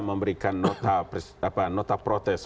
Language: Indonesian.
memberikan nota protes